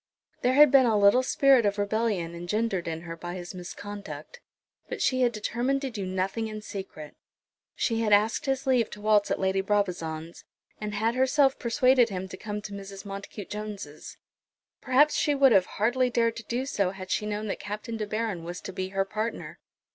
There had been a little spirit of rebellion engendered in her by his misconduct; but she had determined to do nothing in secret. She had asked his leave to waltz at Lady Brabazon's, and had herself persuaded him to come to Mrs. Montacute Jones'. Perhaps she would hardly have dared to do so had she known that Captain De Baron was to be her partner.